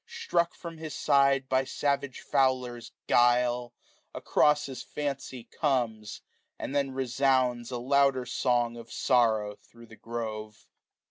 Struck from his side by savage fowler's guile. Across his hncy comes ; and then resounds 620 A louder song of sorrow thro* the grove.